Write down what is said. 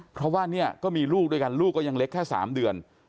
เพราะว่าเนี่ยก็มีลูกด้วยกันลูกก็ยังเล็กแค่๓เดือน